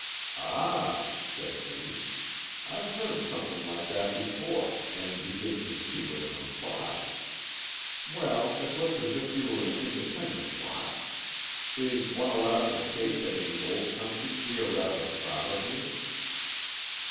"Ah," said Jimmy, "I've heard something like that before and begin to see what it implies. Well, it looks as if you were an independent lot. Is one allowed to state that in the Old Country we are rather proud of you?"